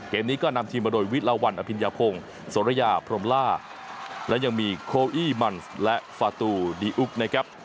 เกมนี้ก็นำทีมมาโดยวิลวันอภิญญาพงศ์สรยาพรมล่าและยังมีโคอี้มันและฟาตูดีอุ๊กนะครับ